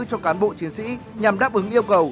cho cán bộ chiến sĩ nhằm đáp ứng yêu cầu